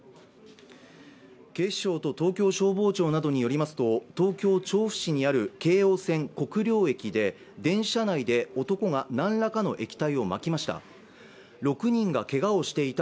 警視庁と東京消防庁などによりますと東京・調布市にある京王線国領駅で電車内で男が何らかの液体をまきました。